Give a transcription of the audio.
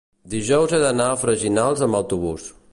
dijous he d'anar a Freginals amb autobús.